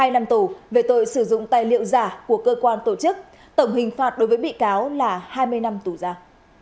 hai năm tù về tội sử dụng tài liệu giả của cơ quan tổ chức tổng hình phạt đối với bị cáo là hai mươi năm tù giam